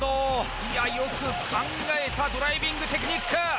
いやよく考えたドライビングテクニック！